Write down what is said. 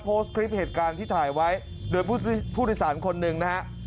โพสต์คลิปเหตุการณ์ที่ถ่ายไว้โดยผู้โดยสารคนหนึ่งนะฮะ